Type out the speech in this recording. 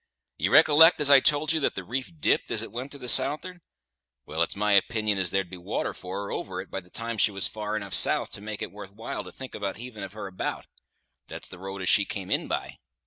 You recollect as I told ye that the reef dipped as it went to the south'ard? Well, it's my opinion as there'd be water for her over it by the time she was far enough south to make it worth while to think about heaving of her about. That's the road as she came in by."